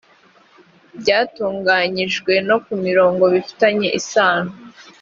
byatunganyijwe no ku mirimo bifitanye isano